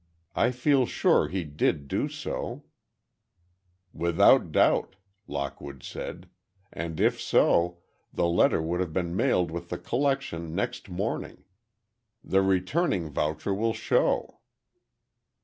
I feel sure he did do so—" "Without doubt," Lockwood said; "and if so, the letter would have been mailed with the collection next morning. The returning voucher will show."